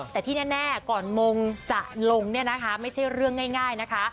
แต่ที่แน่ก่อนมงจะลงเนี่ยนะคะไม่ใช่เรื่องง่ายนะคะ